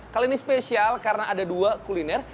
kali ini spesial karena ada dua kuliner